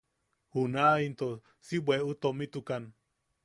Junaʼa into si bweʼu tomitukan.